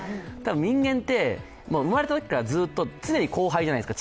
人間って、生まれたときからずっと常に後輩じゃないですか。